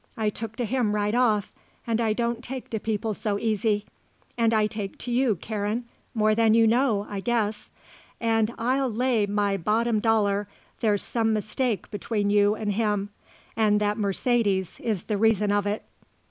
I took to him right off, and I don't take to people so easy. And I take to you, Karen, more than you know, I guess. And I'll lay my bottom dollar there's some mistake between you and him, and that Mercedes is the reason of it."